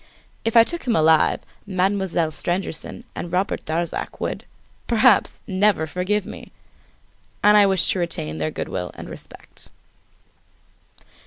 If I took him alive, Mademoiselle Stangerson and Robert Darzac would, perhaps, never forgive me! And I wish to retain their good will and respect.